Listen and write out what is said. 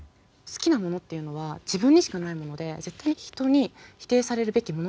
好きなものっていうのは自分にしかないもので絶対人に否定されるべきものではないと思うんですね。